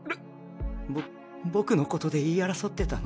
ぼ僕のことで言い争ってたの？